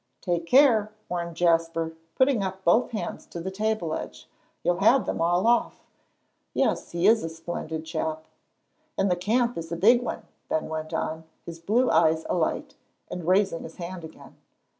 "Take care," warned Jasper, putting up both hands to the table edge, "you'll have them all off. Yes, he is a splendid chap." "And the camp is a big one," Ben went on, his blue eyes alight, and raising his hand again.